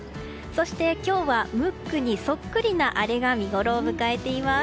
そして今日はムックにそっくりなあれが見ごろを迎えています。